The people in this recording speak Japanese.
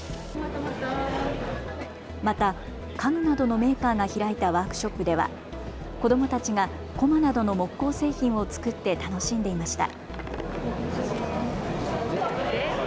また家具などのメーカーが開いたワークショップでは子どもたちがこまなどの木工製品を作って楽しんでいました。